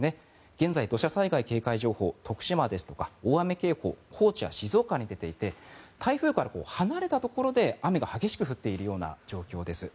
現在、土砂災害警戒情報が徳島ですとか大雨警報が高知や静岡に出ていて台風から離れたところで雨が非常に激しく降っている状況です。